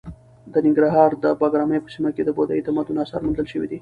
د ننګرهار د بګراميو په سیمه کې د بودايي تمدن اثار موندل شوي دي.